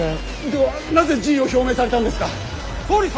ではなぜ辞意を表明されたんですか？